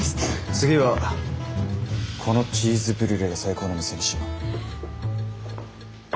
次はこのチーズブリュレが最高の店にしよう。